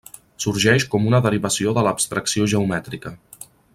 Sorgeix com una derivació de l'abstracció geomètrica.